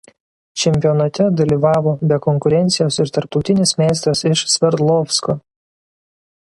Čempionate dalyvavo be konkurencijos ir tarptautinis meistras iš Sverdlovsko.